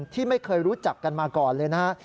ที่ไม่เคยรู้จักกันมาก่อนเลยนะฮะ